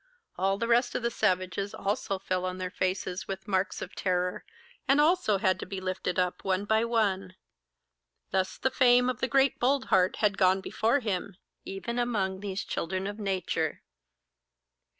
All the rest of the savages also fell on their faces with marks of terror, and had also to be lifted up one by one. Thus the fame of the great Boldheart had gone before him, even among these children of Nature.